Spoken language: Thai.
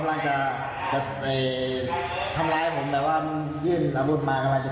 กำลังจะถึงตัวผมแล้วทีนี้ผมก็เลยกระดุ่งมากไป